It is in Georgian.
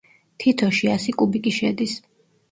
თითოში ასი კუბიკი შედის.